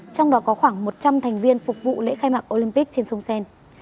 trong đó có khoảng một trăm linh thành viên phục vụ lễ khai mạc olympic trên sông sen